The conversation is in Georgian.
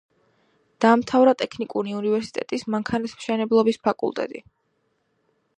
დაამთავრა ტექნიკური უნივერსიტეტის მანქანათმშენებლობის ფაკულტეტი.